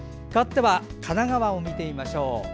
かわっては神奈川を見てみましょう。